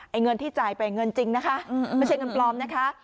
เงินที่จ่ายไปเงินจริงนะคะไม่ใช่เงินปลอมนะคะ